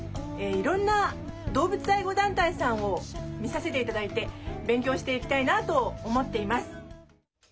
いろんな動物愛護団体さんを見させて頂いて勉強していきたいなと思っています。